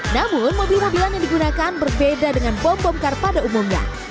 namun mobil mobilan yang digunakan berbeda dengan bom bom kar pada umumnya